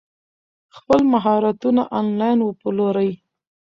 خپل مهارتونه انلاین وپلورئ.